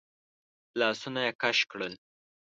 لاسونه يې کش کړل.